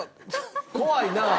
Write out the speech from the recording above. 怖いなあ！